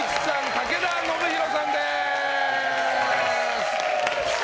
武田修宏さんです。